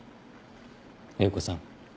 英子さん。